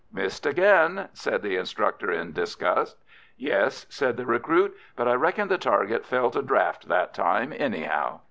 "Missed again!" said the instructor in disgust. "Yes," said the recruit, "but I reckon the target felt a draught that time, anyhow."